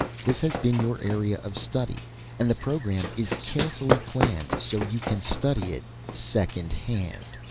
This has been your area of study and the program is carefully planned so you can study it secondhand.